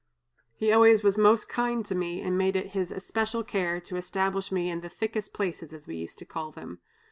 He always was most kind to me and made it his especial care to establish me in the 'thickest places,' as we used to call them.